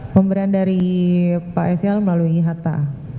pemberian dari pak sel melalui hatta